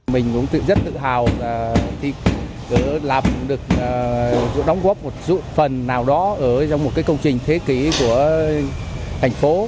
mình cũng rất tự hào làm được đóng góp một số phần nào đó ở trong một công trình thế kỷ của thành phố